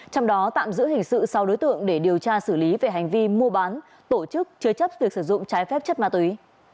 trong đó tạm giữ hình sự sau đối tượng để điều tra xử lý về hành vi mua bán tổ chức chứa chấp việc sử dụng trái phép chất ma túy